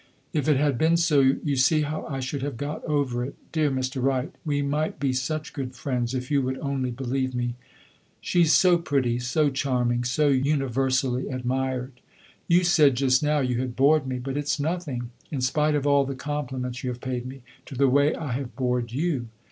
If it had been so, you see how I should have got over it. Dear Mr. Wright, we might be such good friends, if you would only believe me. She 's so pretty, so charming, so universally admired. You said just now you had bored me, but it 's nothing in spite of all the compliments you have paid me to the way I have bored you.